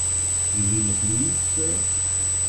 You mean of me, sir?